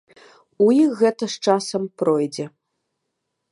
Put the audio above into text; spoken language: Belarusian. У іх гэта з часам пройдзе.